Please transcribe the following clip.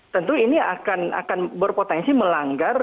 tentu ini akan berpotensi melanggar